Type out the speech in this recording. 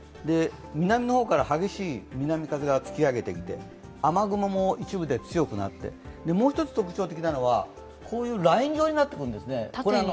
南の方から激しい南風が突き上げてきて、雨雲も一部で強くなってもう一つ特徴的なのは、ライン状になってくるんですね。